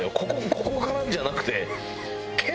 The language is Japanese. ここからじゃなくて。